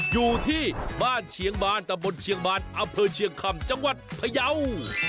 อยู่ที่บ้านเชียงบานตะบนเชียงบานอำเภอเชียงคำจังหวัดพยาว